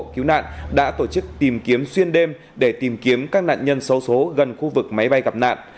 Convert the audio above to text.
cứu nạn đã tổ chức tìm kiếm xuyên đêm để tìm kiếm các nạn nhân sâu xố gần khu vực máy bay gặp nạn